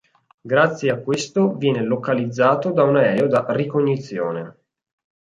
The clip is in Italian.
Grazie a questo viene localizzato da un aereo da ricognizione.